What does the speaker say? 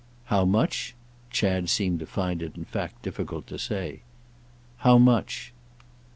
"How much?"—Chad seemed to find it in fact difficult to say. "How much."